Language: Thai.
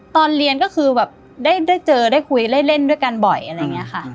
ตอนเรียนก็คือแบบได้เจอได้คุยได้เล่นด้วยกันบ่อยอะไรอย่างนี้ค่ะ